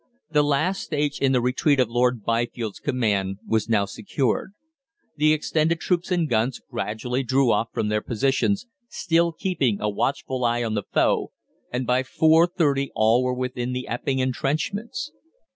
The last stage in the retreat of Lord Byfield's command was now secured. The extended troops and guns gradually drew off from their positions, still keeping a watchful eye on the foe, and by 4.30 all were within the Epping entrenchments.